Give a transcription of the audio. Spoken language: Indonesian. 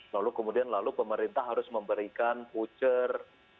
lalu kemudian lalu pemerintah harus memberikan voucher